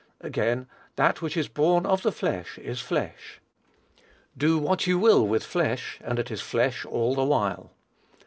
Again, "that which is born of the flesh is flesh." Do what you will with flesh, and it is flesh all the while.